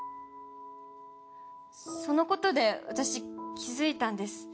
そのことで私気付いたんです。